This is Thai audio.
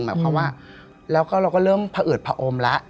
หมายความว่าแล้วก็เริ่มพออืดพออมแล้ว